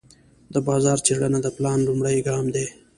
د بازار څېړنه د پلان لومړی ګام دی.